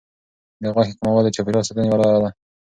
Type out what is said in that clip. د غوښې کمول د چاپیریال ساتنې یوه لار ده.